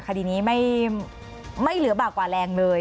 คดีนี้ไม่เหลือบากกว่าแรงเลย